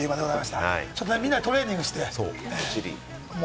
みんなでトレーニングして。